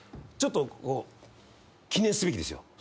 ちょっと記念すべきですよ。